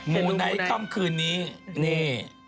มูลไหนคล่ำคืนนี้นี่